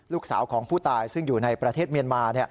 ลูกสาวของผู้ตายซึ่งอยู่ในประเทศเมียนมา